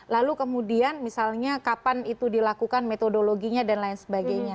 lalu kemudian misalnya kapan itu dilakukan metodologinya dan lain sebagainya